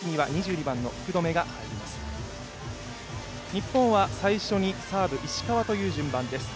日本は最初にサーブ・石川という順番です。